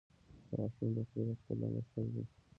• غاښونه د خولې د ښکلا مرکز دي.